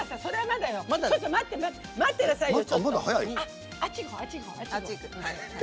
それはまださ。